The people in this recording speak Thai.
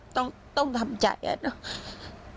แต่มันถือปืนมันไม่รู้นะแต่ตอนหลังมันจะยิงอะไรหรือเปล่าเราก็ไม่รู้นะ